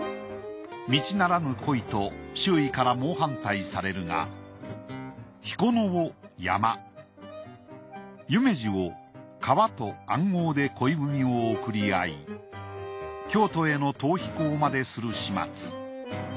道ならぬ恋と周囲から猛反対されるが彦乃を山夢二を川と暗号で恋文を送り合い京都への逃避行までする始末。